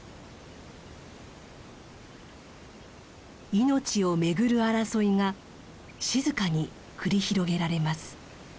命を巡る争いが静かに繰り広げられます。